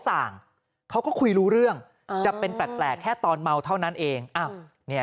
สั่งเขาก็คุยรู้เรื่องจะเป็นแปลกแค่ตอนเมาเท่านั้นเองอ้าวเนี่ย